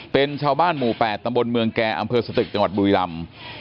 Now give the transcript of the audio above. เป็นชาวบ้านหมู่๘ตำบลเมืองแก่อำเภอสตึกจังหวัดบุรีรำ